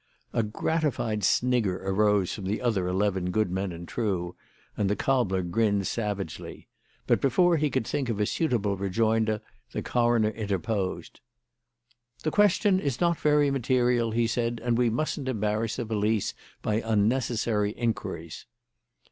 A gratified snigger arose from the other eleven good men and true, and the cobbler grinned savagely; but before he could think of a suitable rejoinder the coroner interposed. "The question is not very material," he said, "and we mustn't embarrass the police by unnecessary inquiries."